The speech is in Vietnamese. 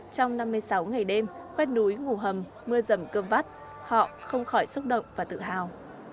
trong năm mươi sáu ngày đêm khoét núi ngủ hầm mưa rầm cơm vắt họ không khỏi xúc động và tự hào